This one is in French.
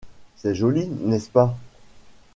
C’est joli, n’est-ce pas ?...